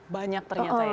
banyak ternyata ya